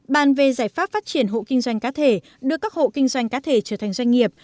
bàn về giải pháp phát triển hộ kinh doanh cá thể đưa các hộ kinh doanh cá thể trở thành doanh nghiệp